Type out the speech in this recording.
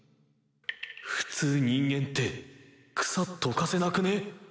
普通人間って草溶かせなくね？